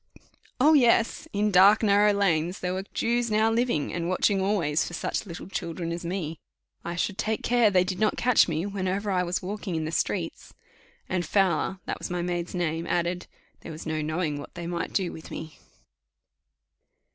Oh, yes! In dark narrow lanes there were Jews now living, and watching always for such little children as me; I should take care they did not catch me, whenever I was walking in the streets; and Fowler (that was my maid's name) added, "There was no knowing what they might do with me."